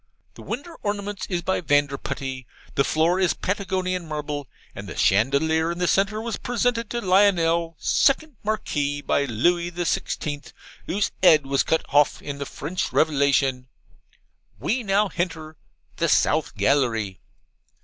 The winder ornaments is by Vanderputty. The floor is Patagonian marble; and the chandelier in the centre was presented to Lionel, second Marquis, by Lewy the Sixteenth, whose 'ead was cut hoff in the French Revelation. We now henter THE SOUTH GALLERY.